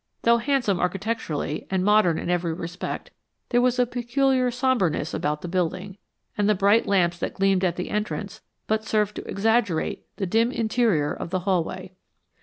Though handsome architecturally and modern in every respect, there was a peculiar sombreness about the building, and the bright lamps that gleamed at the entrance but served to exaggerate the dim interior of the hallway.